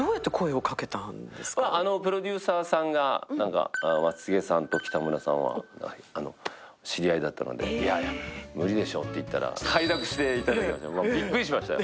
プロデューサーさんが、松重さんと北村さんは知り合いだったので、いやいや、無理でしょうと言ったら快諾していただきまして、びっくりしましたよ。